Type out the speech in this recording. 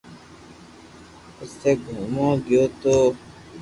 پسي گومئوا گيو تو